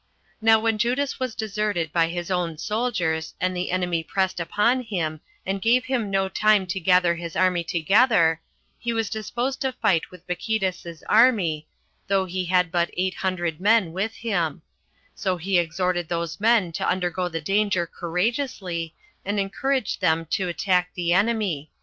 Now when Judas was deserted by his own soldiers, and the enemy pressed upon him, and gave him no time to gather his army together, he was disposed to fight with Bacchides's army, though he had but eight hundred men with him; so he exhorted these men to undergo the danger courageously, and encouraged them to attack the enemy.